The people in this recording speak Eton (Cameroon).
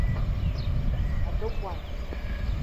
A te kwuan